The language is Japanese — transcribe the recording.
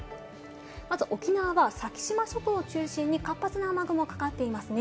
まず、沖縄は先島諸島を中心に活発な雨雲、かかっていますね。